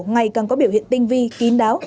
ngày càng có biểu hiện tinh vi kín đáo